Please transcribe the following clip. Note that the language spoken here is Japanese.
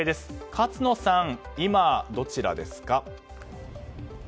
勝野さん、今どちらですか？